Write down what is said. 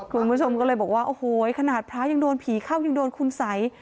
คุณผู้ชมก็เลยบอกว่าโอ้โหขนาดพระยังโดนผีเข้ายังโดนคุณสัย